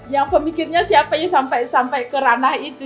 yang pemikirnya siapanya sampai ke ranah itu